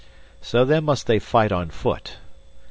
So then must they fight on foot.